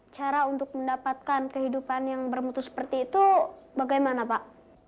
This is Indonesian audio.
cara untuk mendapatkan kehidupan yang bermutu seperti itu bagaimana pak